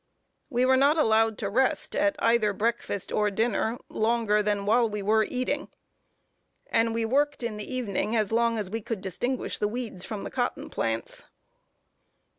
We were not allowed to rest at either breakfast or dinner, longer than while we were eating; and we worked in the evening as long as we could distinguish the weeds from the cotton plants.